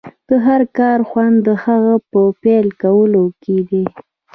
د هر کار خوند د هغه په پيل کولو کې دی.